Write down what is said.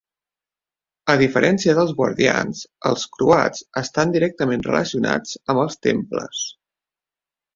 A diferència dels guardians, els croats estan directament relacionats amb els temples.